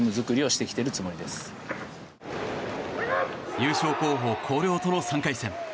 優勝候補・広陵との３回戦。